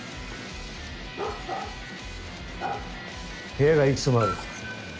部屋がいくつもある。